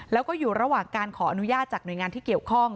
แล้วก็อยู่ระหว่างการขออนุญาตจากหน่วยงานที่เกี่ยวข้อง